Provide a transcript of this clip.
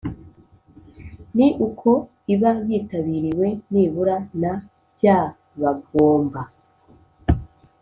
Ni uko iba yitabiriwe nibura na by abagomba